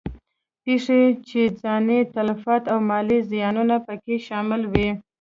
پېښې چې ځاني تلفات او مالي زیانونه په کې شامل وي.